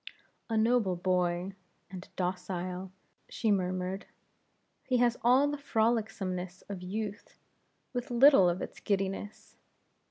"A noble boy, and docile" she murmured "he has all the frolicsomeness of youth, with little of its giddiness.